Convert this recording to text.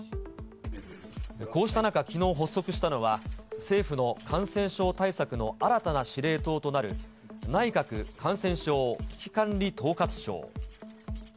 こうした中、きのう発足したのは、政府の感染症対策の新たな司令塔となる内閣感染症危機管理統括庁。